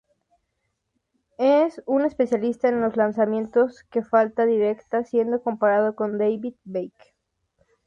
Es un especialista en los lanzamientos de falta directa, siendo comparado con David Beckham.